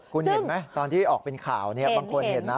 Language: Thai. คุณเห็นไหมตอนที่ออกเป็นข่าวบางคนเห็นนะ